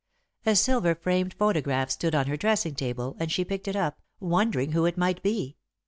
A silver framed photograph stood on her dressing table, and she picked it up, wondering who it might be.